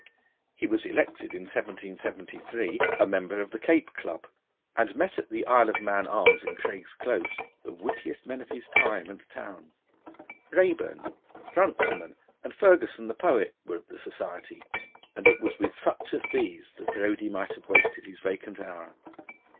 He was elected in 1773 a member of the Cape Club, and met at the Isle of Man Arms in Craig's Close the wittiest men of his time and town. Raeburn, Runciman, and Ferguson the poet were of the society, and it was with such as these that Brodie might have wasted his vacant hour.